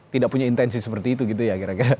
tidak punya intensi seperti itu gitu ya kira kira